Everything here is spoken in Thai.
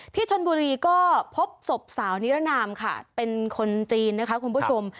ที่ชนบุรีก็พบศพสาวนิรนามค่ะเป็นคนจีนนะคะคุณผู้ชม